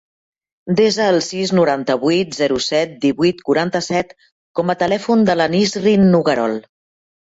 Desa el sis, noranta-vuit, zero, set, divuit, quaranta-set com a telèfon de la Nisrin Noguerol.